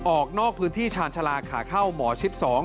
ออกนอกพื้นที่ชาญชาลาขาเข้าหมอชิด๒